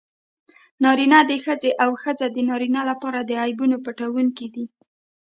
نارینه د ښځې او ښځه د نارینه لپاره د عیبونو پټوونکي دي.